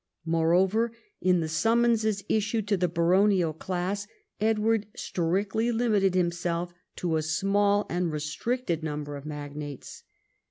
More over, in the summonses issued to the baronial class Edward strictly limited himself to a small and restricted number of magnates.